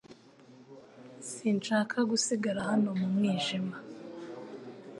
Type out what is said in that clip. Sinshaka gusigara hano mu mwijima